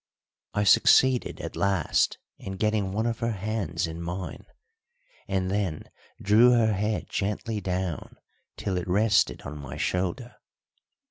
I succeeded at last in getting one of her hands in mine, and then drew her head gently down till it rested on my shoulder.